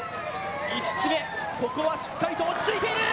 ５つ目、ここはしっかりと落ち着いている。